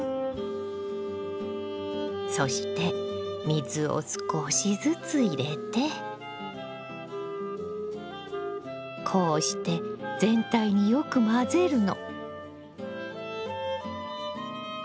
そして水を少しずつ入れてこうして全体によく混ぜるの。